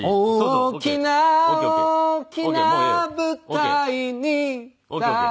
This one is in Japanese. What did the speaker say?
「大きな大きな舞台に立ち」